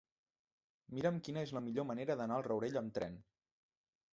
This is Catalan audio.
Mira'm quina és la millor manera d'anar al Rourell amb tren.